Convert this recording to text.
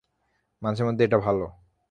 মাঝেমধ্যে এটা ভালো।